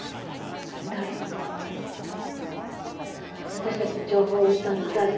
私たちの情報を売ったのは誰？